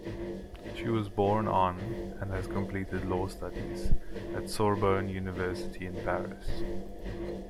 She was born on, and has completed law studies at Sorbonne university in Paris.